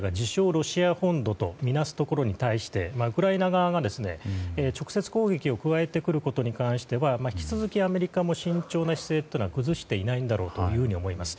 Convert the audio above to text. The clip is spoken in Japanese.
ロシア本土とみなすところに対してウクライナ側が、直接攻撃を加えてくることに関しては引き続きアメリカも慎重な姿勢を崩していないと思います。